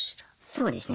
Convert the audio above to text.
そうですね。